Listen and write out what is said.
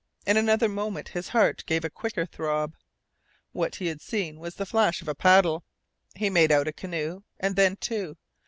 In another moment his heart gave a quicker throb. What he had seen was the flash of a paddle. He made out a canoe, and then two.